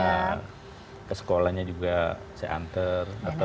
kalau ada sekolahnya juga saya antar atau dia mau